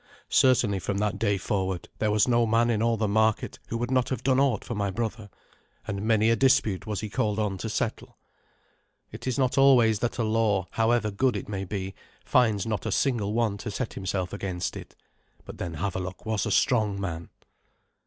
Certainly from that day forward there was no man in all the market who would not have done aught for my brother, and many a dispute was he called on to settle. It is not always that a law, however good it may be, finds not a single one to set himself against it. But then Havelok was a strong man.